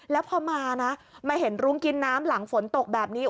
แล้วพอมานะมาเห็นรุ้งกินน้ำหลังฝนตกแบบนี้